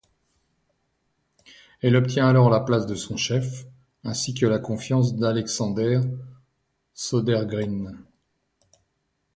Elle obtient alors la place de son chef, ainsi que la confiance d'Alexander Sødergren.